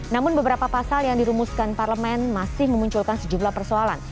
namun beberapa pasal yang dirumuskan parlemen masih memunculkan sejumlah persoalan